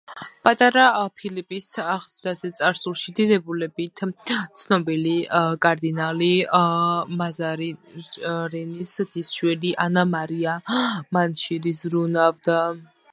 პატარა ფილიპის აღზრდაზე, წარსულში დიდებულებით ცნობილი კარდინალი მაზარინის დის შვილი, ანა მარია მანჩინი ზრუნავდა.